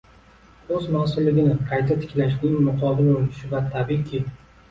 - o‘z mas’ulligini qayta tiklashning muqobil urinishi va tabiiyki